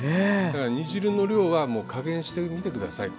だから煮汁の量は加減してみて下さい。